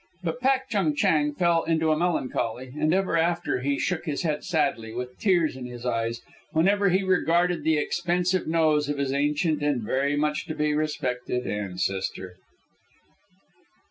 But Pak Chung Chang fell into a melancholy, and ever after he shook his head sadly, with tears in his eyes, whenever he regarded the expensive nose of his ancient and very much to be respected ancestor.